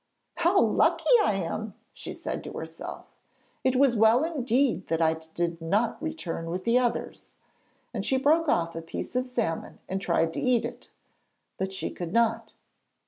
'How lucky I am!' she said to herself; 'it was well indeed that I did not return with the others,' and she broke off a piece of salmon and tried to eat it, but she could not.